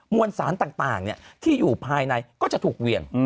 วนสารต่างที่อยู่ภายในก็จะถูกเหวี่ยง